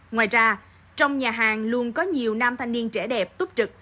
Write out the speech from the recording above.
ngoài ra trong nhà hàng luôn có nhiều nam thanh niên trẻ đẹp túc trực